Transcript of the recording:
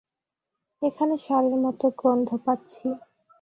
এখানে সারের মতো গন্ধ পাচ্ছি।